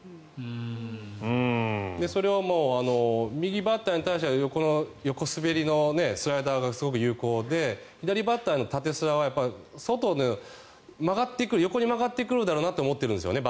右バッターに対しては横滑りのスライダーがすごく有効で左バッターの縦スラは横に曲がってくるだろうと思っているんですよね